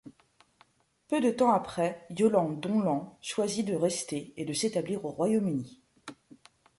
Peu de temps après, Yolande Donlan choisit de rester et de s'établir au Royaume-Uni.